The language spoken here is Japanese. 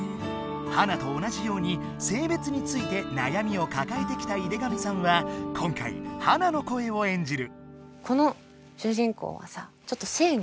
ハナと同じようにせいべつについてなやみをかかえてきた井手上さんは今回ハナの声を演じる。